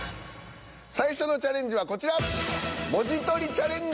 最初のチャレンジはこちら。